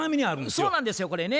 そうなんですよこれね。